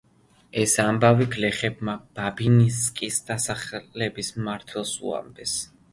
ეს ამბავი გლეხებმა ბაბინსკის დასახლების მმართველს უამბეს.